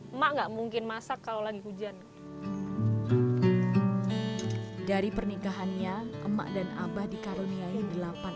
emak nggak mungkin masak kalau lagi hujan dari pernikahannya emak dan abah dikaruniai delapan